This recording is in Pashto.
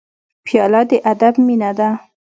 پیاله د ادب مینه ده.